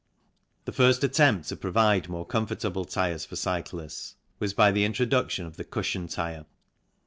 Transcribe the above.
The first attempt to provide more comfortable tyres for cyclists was by the introduction of the cushion tyre.